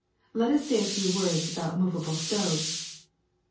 Let us say a few words about mov able stoves.